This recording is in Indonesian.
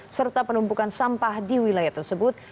serta penumpukan sampah di wilayah tersebut